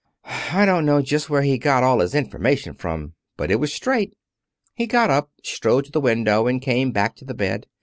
I don't know just where he got all his information from, but it was straight." He got up, strode to the window, and came back to the bed.